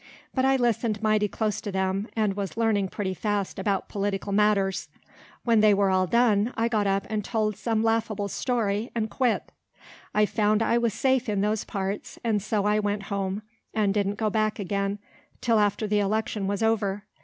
But I listened mighty close to them, and was learning pretty fast about political matters. When they were all done, I got up and told some laughable story, and quit. I found I was safe in those parts, and so I went home, and didn't go back again till after the election was over.